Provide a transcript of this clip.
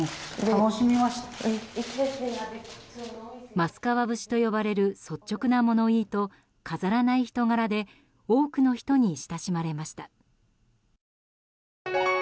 益川節と呼ばれる率直な物言いと飾らない人柄で多くの人の親しまれました。